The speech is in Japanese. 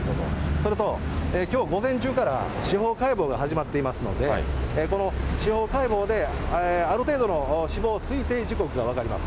それと、きょう午前中から司法解剖が始まっていますので、この司法解剖である程度の死亡推定時刻が分かります。